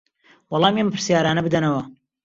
وەڵامی ئەم پرسیارانە بدەنەوە